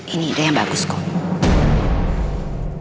ini udah yang bagus kok